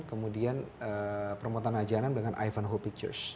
kemudian permotan ajaran dengan ivanhoe pictures